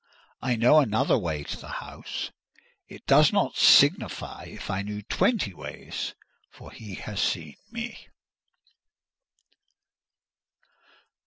I know another way to the house. It does not signify if I knew twenty ways; for he has seen me.